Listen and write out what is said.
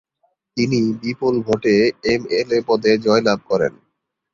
তিনি বিপুল ভোটে এমএলএ পদে জয়লাভ করেন।